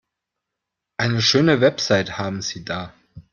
Eine schöne Website haben Sie da.